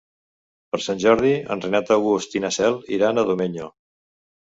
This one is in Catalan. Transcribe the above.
Per Sant Jordi en Renat August i na Cel iran a Domenyo.